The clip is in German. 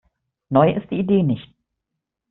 Neu ist die Idee nicht.